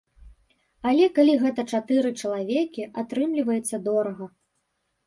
Але калі гэта чатыры чалавекі, атрымліваецца дорага.